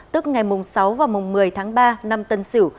tức ngày sáu và một mươi tháng ba năm tân sửu